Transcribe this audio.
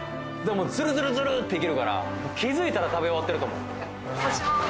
もうズルズルズルっていけるから気づいたら食べ終わってると思う